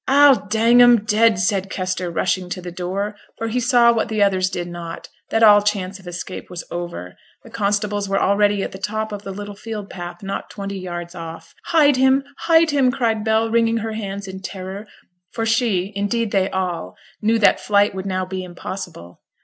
'A'll dang 'em dead,' said Kester, rushing to the door, for he saw what the others did not that all chance of escape was over; the constables were already at the top of the little field path not twenty yards off. 'Hide him, hide him,' cried Bell, wringing her hands in terror; for she, indeed they all, knew that flight would now be impossible.